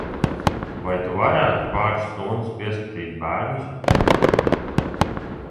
Vai tu varētu pāris stundas pieskatīt bērnus?